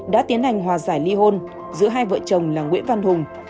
đã tiến hành hòa giải ly hôn giữa hai vợ chồng là nguyễn văn hùng